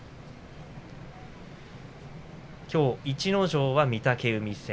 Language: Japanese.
きょう、逸ノ城は御嶽海戦。